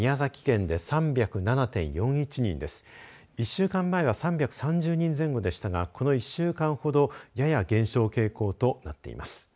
１週間前は３７０人前後でしたがこの１週間ほど減少傾向となっています。